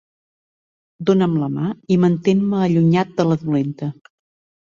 Dóna'm la mà i mantén-me allunyat de la dolenta.